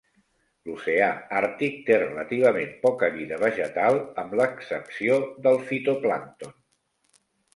L'oceà Àrtic té relativament poca vida vegetal amb l'excepció del fitoplàncton.